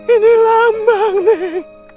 ini lambang men